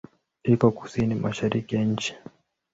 Iko kusini-mashariki ya nchi.